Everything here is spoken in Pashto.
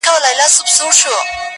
کمزوری سوئ يمه، څه رنگه دي ياده کړمه~